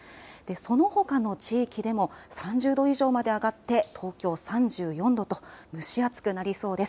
そのほかの地域でも３０度以上まで上がって東京３４度と、蒸し暑くなりそうです。